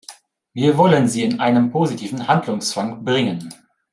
Wir wollen sie in einen positiven Handlungszwang bringen.